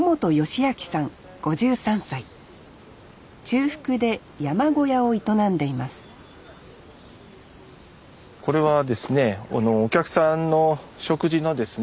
中腹で山小屋を営んでいますこれはですねお客さんの食事のですね